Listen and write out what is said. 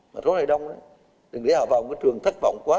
mà rốt này đông đó đừng để họ vào một trường thất vọng quá